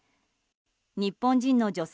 日本人の女性